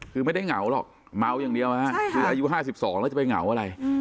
คือไม่ได้เหงาหรอกเมาอย่างเดียวคืออายุ๕๒แล้วจะไปเหงาอะไร